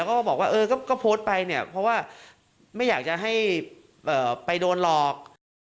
ก็บอกว่าเออก็โพสต์ไปเนี่ยเพราะว่าไม่อยากจะให้ไปโดนหลอก